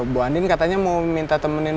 bu andin katanya mau minta temenin